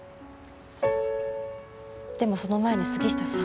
でもその前に杉下さん。